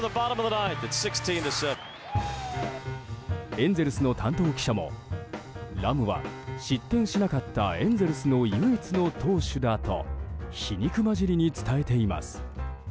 エンゼルスの担当記者もラムは失点しなかったエンゼルスの唯一の投手だと皮肉交じりに伝えています。